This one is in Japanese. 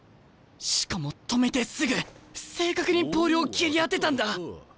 しかも止めてすぐ正確にポールを蹴り当てたんだ！